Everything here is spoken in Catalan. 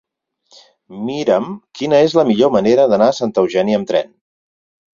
Mira'm quina és la millor manera d'anar a Santa Eugènia amb tren.